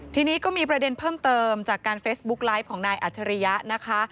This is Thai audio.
ทีนี้ก็มีประเด็นเพิ่มเติมจากการเฟซบุ๊กไลฟ์ของนายอัจฉริยะนะคะ